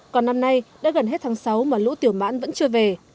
còn năm nay đã gần hết tháng sáu mà lũ tiểu mãn vẫn chưa về